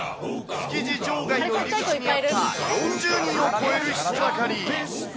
築地場外の入り口にあった、４０人を超える人だかり。